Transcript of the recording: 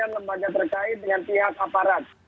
lembaga terkait dengan pihak aparat